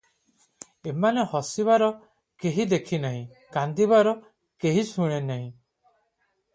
ଏମାନେ ହସିବାର କେହି ଦେଖି ନାହିଁ, କାନ୍ଦିବାର କେହି ଶୁଣି ନାହିଁ ।